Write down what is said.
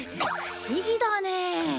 不思議だねえ。